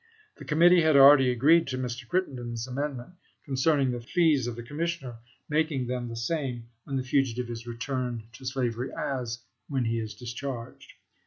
The Committee had already agreed to Mr. Crittenden's amendment concerning the fees of the commissioner, making them. the same when the fugitive is returned to slavery as when he is discharged.